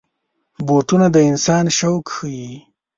بوټونه د انسان شوق ښيي.